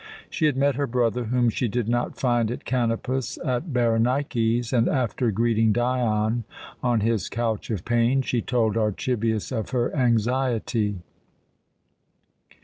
She had met her brother, whom she did not find at Kanopus, at Berenike's, and after greeting Dion on his couch of pain, she told Archibius of her anxiety.